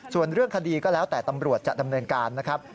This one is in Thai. ส่วนเรื่องคดีก็แล้วแต่ตำรวจจะดำเนินการนะครับ